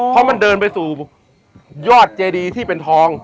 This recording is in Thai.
เพราะมันเดินไปสู่ยอดเจดีที่เป็นทอง